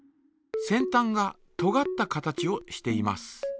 先たんがとがった形をしています。